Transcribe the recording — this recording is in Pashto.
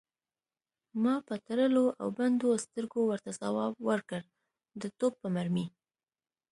ما په تړلو او بندو سترګو ورته ځواب ورکړ: د توپ په مرمۍ.